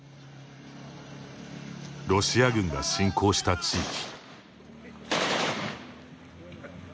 ロシア軍が侵攻した地域。